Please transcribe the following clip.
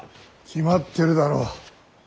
決まってるだろ。